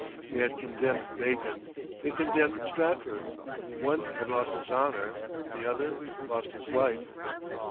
They had condemned Bacon; they condemned Stratford. One had lost his honour, the other lost his life.